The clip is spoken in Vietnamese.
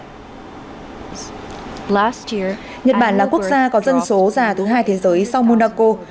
nhật bản là quốc gia có dân số già thứ hai thế giới sau mondaco